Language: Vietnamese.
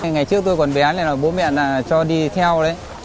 ngày trước tôi còn bé này là bố mẹ là cho đi theo đấy